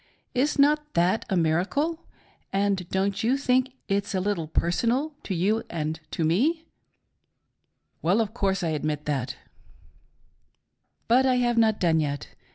Is not that a miracle, and don't you think it's a little "personal" to you and to me .' L. P. : Well, of course I admit that. J6 LATTER DAY MIRACLES. M.: But I have not done yet.